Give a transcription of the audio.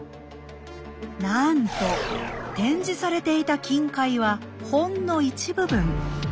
なんと展示されていた金塊はほんの一部分。